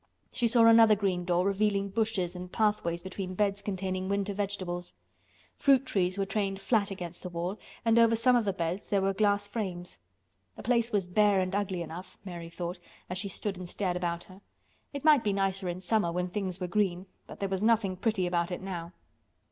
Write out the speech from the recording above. She saw another open green door, revealing bushes and pathways between beds containing winter vegetables. Fruit trees were trained flat against the wall, and over some of the beds there were glass frames. The place was bare and ugly enough, Mary thought, as she stood and stared about her. It might be nicer in summer when things were green, but there was nothing pretty about it now.